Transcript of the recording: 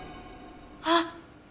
あっ！